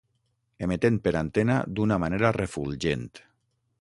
Emetent per antena d'una manera refulgent.